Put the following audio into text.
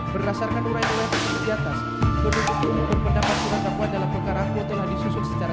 berdasarkan uraian urahan kejelasan pendapat surat dakwa dalam pekarangnya telah disusun secara